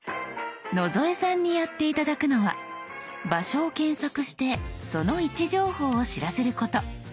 野添さんにやって頂くのは場所を検索してその位置情報を知らせること。